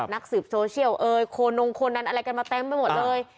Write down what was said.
นักสืบโซเชียลเอ่ยโคนงโคนันอะไรกันมาเต็มไปหมดเลย